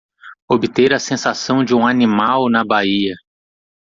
Obter a sensação de um animal na baía!